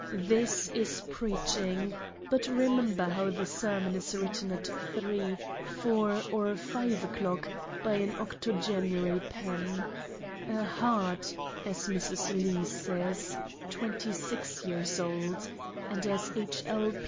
This is Preaching but remember how the Sermon is written at three, four, and five o'clock by an Octogenary pen a Heart (as Mrs. Lee says) 26 years old: and as H. L.